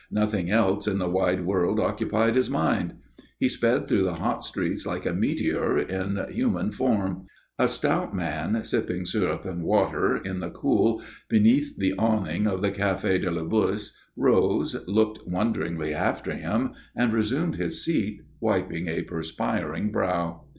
Nothing else in the wide world occupied his mind. He sped through the hot streets like a meteor in human form. A stout man, sipping syrup and water in the cool beneath the awning of the Café de la Bourse, rose, looked wonderingly after him, and resumed his seat, wiping a perspiring brow.